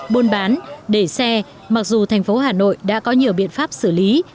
buôn bán để xe mặc dù thành phố hà nội đã có nhiều biện pháp xử lý